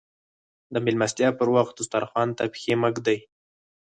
د ميلمستيا پر وخت دسترخوان ته پښې مه ږدئ.